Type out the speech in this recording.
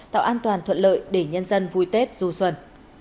tạo an toàn thuận lợi để nhân dân vui tết du xuân